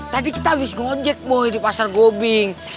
tadi kita abis ngonjek boy di pasar gobing